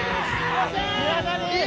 押せ！